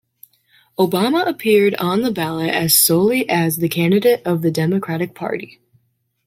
Obama appeared on the ballot as solely as the candidate of the Democratic Party.